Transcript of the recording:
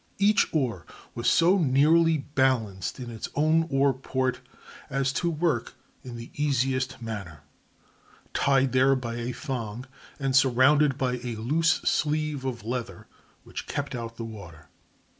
Each oar was so nearly balanced in its oar port as to work in the easiest manner, tied there by a thong and surrounded by a loose sleeve of leather which kept out the water.